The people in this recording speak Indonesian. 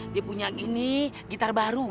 dia punya gini gitar baru